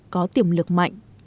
có tiềm lực mạnh